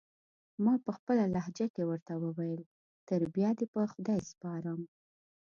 ما پخپله لهجه کې ورته وویل: تر بیا دې پر خدای سپارم.